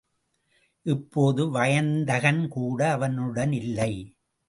இப்போது வயந்தகன்கூட அவனுடன் இல்லை.